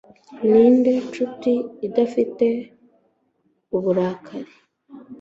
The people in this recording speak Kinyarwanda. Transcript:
Ninde nshuti udafite uburakari